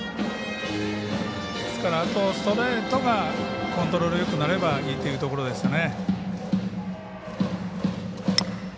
あと、ストレートがコントロールよくなればいいというところですね。